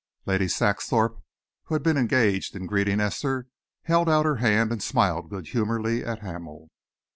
Lady Saxthorpe, who had been engaged in greeting Esther, held out her hand and smiled good humouredly at Hamel.